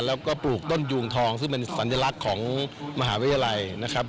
แล้วก็ปลูกต้นยูงทองซึ่งเป็นสัญลักษณ์ของมหาวิทยาลัยนะครับ